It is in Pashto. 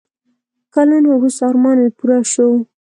کلونه وروسته ارمان مې پوره شو.